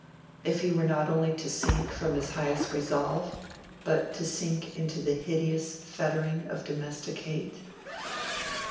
If he were not only to sink from his highest resolve, but to sink into the hideous fettering of domestic hate?